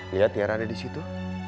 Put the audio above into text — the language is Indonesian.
lihat tiara ada di situ